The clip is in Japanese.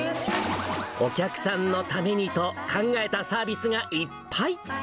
お客さんのためにと考えたサービスがいっぱい。